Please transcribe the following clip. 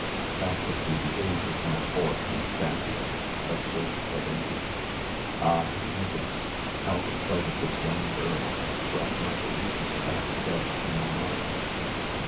"That would be the age of my poor Constantia," observed the lady. "Ah, amigas! how the sight of this young girl has brought my bereavement back afresh to my mind."